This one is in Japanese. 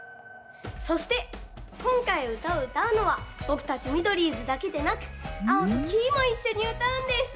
そしてこんかいうたをうたうのはぼくたちミドリーズだけでなくアオとキイもいっしょにうたうんです。